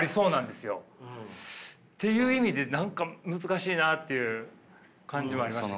いう意味で何か難しいなっていう感じはありましたけどね。